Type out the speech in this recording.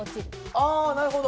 あなるほど！